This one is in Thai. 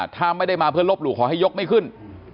ถ้าไม่ได้มาเพื่อลบหลู่ขอให้ยกไม่ขึ้น